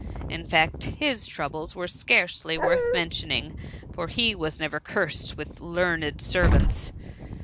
In fact, his troubles were scarcely worth mentioning, for he was never cursed with learned servants